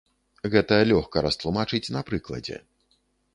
Гэта лёгка растлумачыць на прыкладзе.